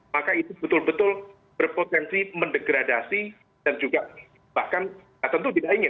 maka itu betul betul berpotensi mendegradasi dan juga bahkan tentu tidak ingin